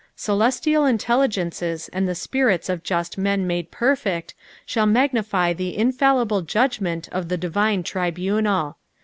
Celestial intelligeDces and the spirits of just men made perfect, shall magnify the infallible judgment of the divine tribunal.